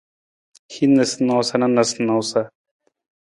Hin noosanoosa na noosanoosa.